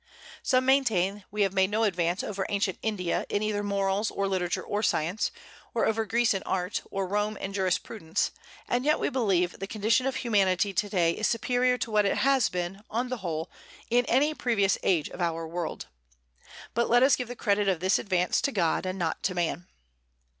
Some maintain we have made no advance over ancient India in either morals or literature or science, or over Greece in art, or Rome in jurisprudence; and yet we believe the condition of humanity to day is superior to what it has been, on the whole, in any previous age of our world. But let us give the credit of this advance to God, and not to man.